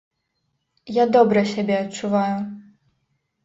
Я добра сябе адчуваю.